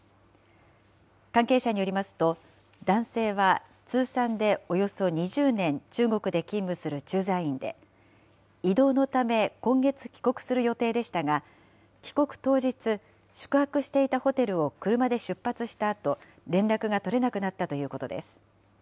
関係者によりますと、男性は通算でおよそ２０年、中国で勤務する駐在員で、異動のため、今月帰国する予定でしたが、帰国当日、宿泊していたホテルを車で出発したあと、連絡が取れなくなったということです。